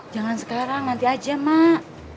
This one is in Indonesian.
jangan sekarang nanti aja mak